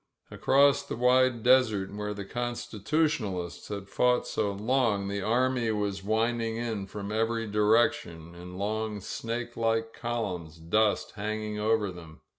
.•. Across the wide desert, where the Constitutionalists had fought so long, the army was winding in from every direction, in long snake like columns, dust hang ing over them.